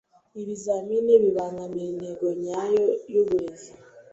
Ibizamini bibangamira intego nyayo yuburezi.